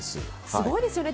すごいですよね。